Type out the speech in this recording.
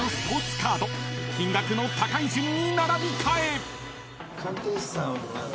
カード金額の高い順に並び替え！］